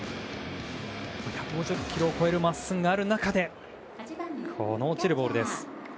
１５０キロを超えるまっすぐがある中でこの落ちるボールです。